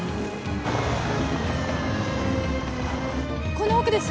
この奥です。